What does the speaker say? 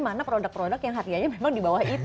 mana produk produk yang harganya memang di bawah itu